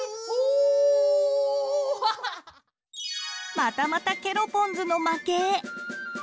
またまたケロポンズの負け。